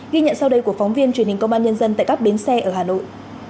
ghi nhận sau đây của phóng viên truyền hình công an nhân dân tại các bến xe ở hà nội